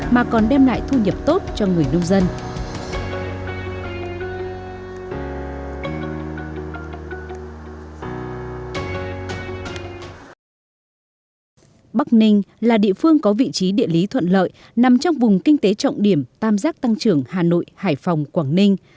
bắc ninh là địa phương có vị trí địa lý thuận lợi nằm trong vùng kinh tế trọng điểm tam giác tăng trưởng hà nội hải phòng quảng ninh